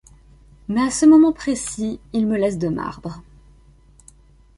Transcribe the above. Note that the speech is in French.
Mais à ce moment précis, il me laisse de marbre.